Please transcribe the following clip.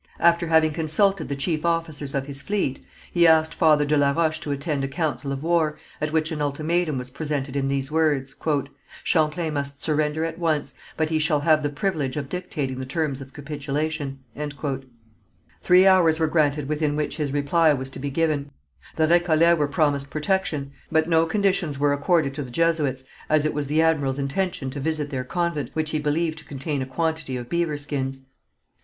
After having consulted the chief officers of his fleet he asked Father de la Roche to attend a council of war at which an ultimatum was presented in these words: "Champlain must surrender at once, but he shall have the privilege of dictating the terms of capitulation." Three hours were granted within which his reply was to be given. The Récollets were promised protection, but no conditions were accorded to the Jesuits, as it was the admiral's intention to visit their convent, which he believed to contain a quantity of beaver skins.